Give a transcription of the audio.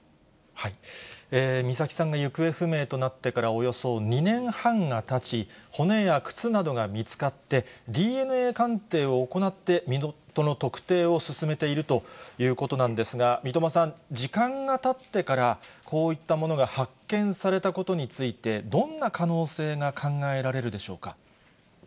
美咲さんが行方不明となってからおよそ２年半がたち、骨や靴などが見つかってＤＮＡ鑑定を行って身元の特定を進めているということなんですが、三笘さん、時間がたってから、こういったものが発見されたことについて、どんな可能性が考えられるでしょうか。